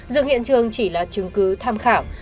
dựng hiện trường chỉ là chứng cứ tham khảo